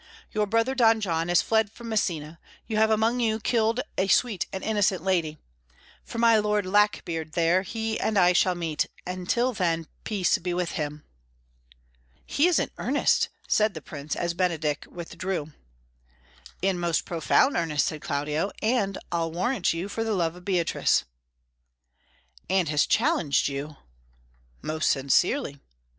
Your brother Don John is fled from Messina; you have among you killed a sweet and innocent lady. For my Lord Lackbeard there, he and I shall meet; and till then peace be with him." "He is in earnest," said the Prince, as Benedick withdrew. "In most profound earnest," said Claudio; "and, I'll warrant you, for the love of Beatrice." "And has challenged you." "Most sincerely."